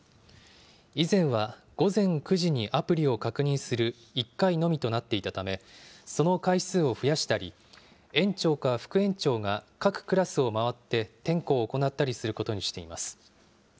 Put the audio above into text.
以前は午前９時にアプリを確認する１回のみとなっていたため、その回数を増やしたり、園長か副園長が各クラスを回って点呼を行ったりすることにしています。